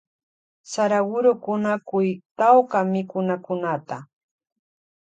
Saraguro kunakuy tawka mikunakunata.